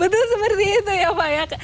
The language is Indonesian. betul seperti itu ya pak ya